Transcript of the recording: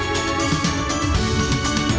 terima kasih banyak mas emil